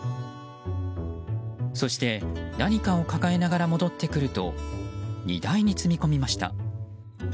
そして、何かを抱えながら戻ってくると荷台に積み込みました。